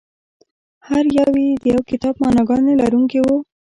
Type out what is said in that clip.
هر یو یې د یو کتاب معناګانې لرونکي وو.